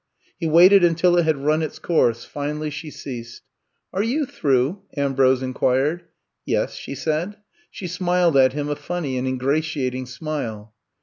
He waited until it had run its course* Finally she ceased. Are you through? Ambrose inquired. Yes,*' she said. She smiled at him a funny and ingratiating smile.